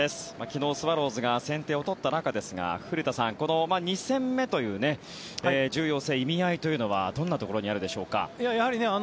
昨日、スワローズが先手を取った中ですが古田さん、この２戦目という重要性、意味合いというのはどんなところにあるでしょうか。